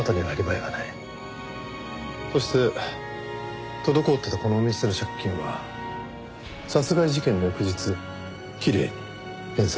そして滞ってたこのお店の借金は殺害事件の翌日きれいに返済されてます。